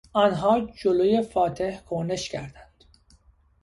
آنان جلو فاتح کرنش کردند.